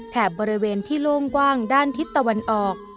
บริเวณที่โล่งกว้างด้านทิศตะวันออก